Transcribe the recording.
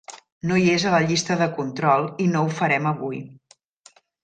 No hi és a la llista de control i no ho farem avui.